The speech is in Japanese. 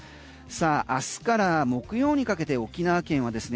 明日から木曜にかけて沖縄県はですね